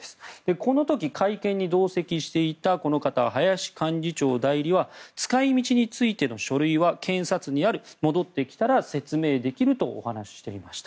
この時、会見に同席していたこの方、林幹事長代理は使い道についての書類は検察にあり戻ってきたら説明できるとお話していました。